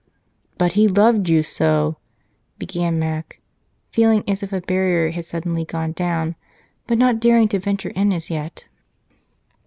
"But he loved you so!" began Mac, feeling as if a barrier had suddenly gone down but not daring to venture in as yet.